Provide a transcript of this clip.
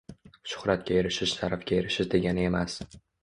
Shuhratga erishish sharafga erishish degani emas